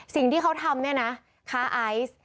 สิ่งที่เขาทำเนี่ยนะค้าไอซ์